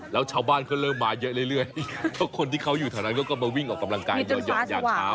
แล้วชาวบ้านเขาเริ่มมาเยอะเรื่อยเพราะคนที่เขาอยู่แถวนั้นเขาก็มาวิ่งออกกำลังกายบ่อยยามเช้า